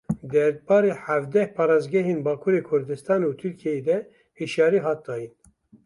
Derbarê hevdeh parêzgehên Bakurê Kurdistanê û Tirkiyeyê de hişyarî hat dayîn.